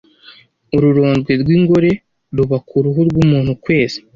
Ururondwe rw'ingore ruba ku ruhu rw'umuntu ukwezi